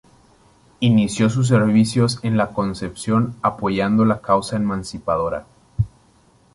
Inició sus servicios en Concepción apoyando la causa emancipadora.